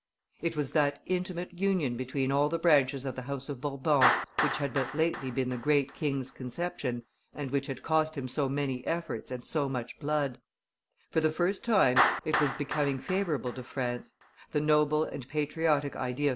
It was that intimate union between all the branches of the house of Bourbon which had but lately been the great king's conception, and which had cost him so many efforts and so much blood; for the first time it was becoming favorable to France; the noble and patriotic idea of M.